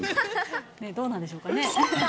どうなんでしょうかね。